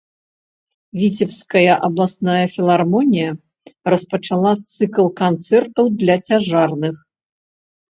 Віцебская абласная філармонія распачала цыкл канцэртаў для цяжарных.